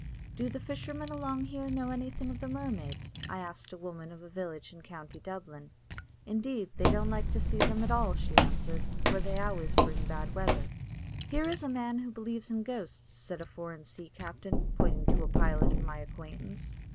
"Do the fishermen along here know anything of the mermaids?" I asked a woman of a village in County Dublin. "Indeed, they don't like to see them at all," she answered, "for they always bring bad weather." "Here is a man who believes in ghosts," said a foreign sea captain, pointing to a pilot of my acquaintance.